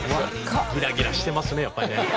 ギラギラしてますねやっぱりね。